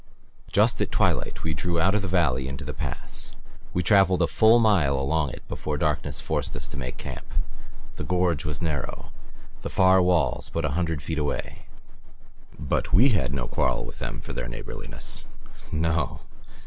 Just at twilight we drew out of the valley into the pass. We traveled a full mile along it before darkness forced us to make camp. The gorge was narrow. The far walls but a hundred feet away; but we had no quarrel with them for their neighborliness, no!